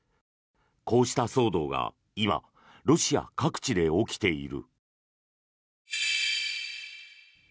こうした騒動が今、ロシア各地で起きている。